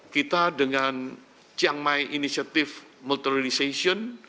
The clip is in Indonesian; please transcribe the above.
kita dengan chiang mai initiative multiralization